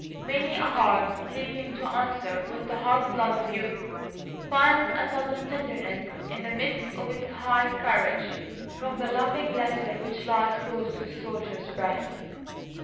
many a heart, leaping to answer with the hot blood of youth, finds a sudden tenderness in the midst of its high courage, from the loving letter which lies close to the soldier's breast.